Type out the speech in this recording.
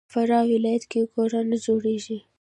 په فراه ولایت کې ګوړه نه جوړیږي.